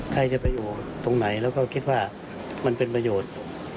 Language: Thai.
ใครจะไปอยู่ตรงไหนแล้วก็คิดว่ามันเป็นประโยชน์